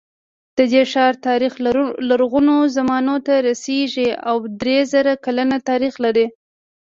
د دې ښار تاریخ لرغونو زمانو ته رسېږي او درې زره کلن تاریخ لري.